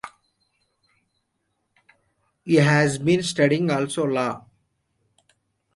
He has been studying also law.